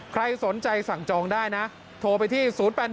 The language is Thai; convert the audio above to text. ใครสนใจสั่งจองได้นะโทรไปที่๐๘๑